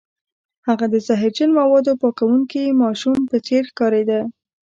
هغه د زهرجن موادو پاکوونکي ماشوم په څیر ښکاریده